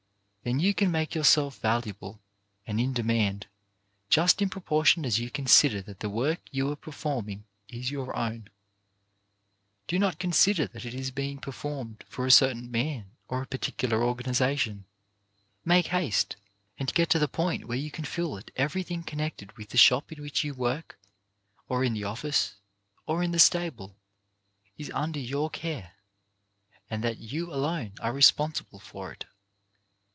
Then you can make yourself valuable and in demand just in proportion as you consider that the work you are performing is your own. Do not consider that it is being performed for a certain man or a particular organization. Make haste and get to the point where you can feel that every thing connected with the shop in which you work, or in the office, or in the stable, is under your care, and that you alone are responsible for it.